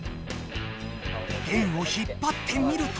弦を引っぱってみると。